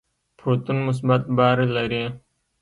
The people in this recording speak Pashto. پروتون مثبت بار لري.